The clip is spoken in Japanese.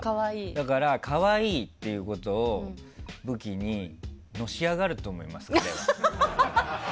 だから可愛いっていうことを武器にのし上がると思います、彼。